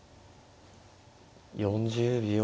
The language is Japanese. ４０秒。